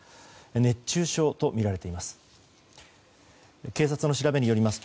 熱中症とみられています。